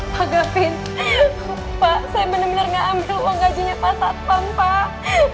pak gafin pak saya benar benar gak ambil uang gajinya pak tatpam pak